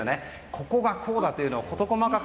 ここが、こうだというのをこと細かく。